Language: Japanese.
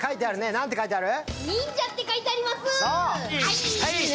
何て書いてある？